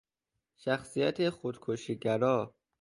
شخصیت خودکشی گرا